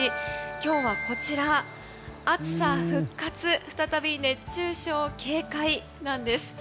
今日は、暑さ復活再び熱中症警戒なんです。